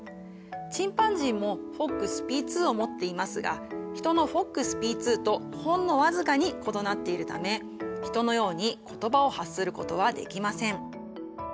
チンパンジーもＦＯＸＰ２を持っていますがヒトのＦＯＸＰ２とほんの僅かに異なっているためヒトのように言葉を発することはできません。